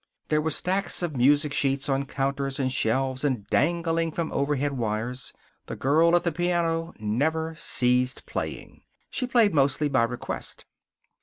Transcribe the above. There were stacks of music sheets on counters and shelves and dangling from overhead wires. The girl at the piano never ceased playing. She played mostly by request.